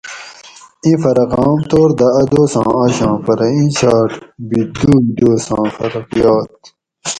اِیں فرق عام طور دہ اۤ دوساں آشاں پرہ ھیچھاٹ بی دوئ دوساں فرق یات